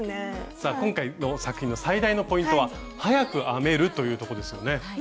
さあ今回の作品の最大のポイントは早く編めるというとこですよね。